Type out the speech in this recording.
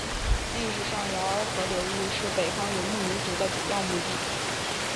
历史上洮儿河流域是北方游牧民族的主要牧地。